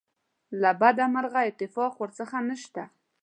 له بده مرغه اتفاق ورڅخه نشته.